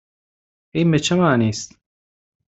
این به چه معنی است؟